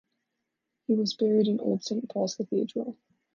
He was buried in Old Saint Paul's Cathedral.